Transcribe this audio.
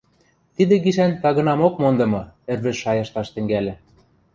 — Тидӹ гишӓн тагынамок мондымы, — ӹрвӹж шайышташ тӹнгӓльӹ.